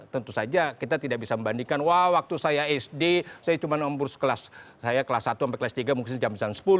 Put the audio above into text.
tentu saja kita tidak bisa membandingkan wah waktu saya sd saya cuma umur sekelas saya kelas satu sampai kelas tiga mungkin jam sepuluh